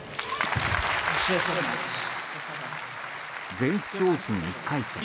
全仏オープン１回戦。